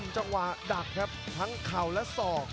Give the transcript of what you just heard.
แชลเบียนชาวเล็ก